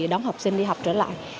đón học sinh đi học trở lại